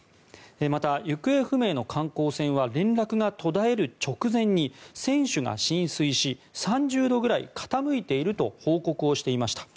また、行方不明の観光船は連絡が途絶える直前に船首が浸水し３０度くらい傾いていると報告をしていました。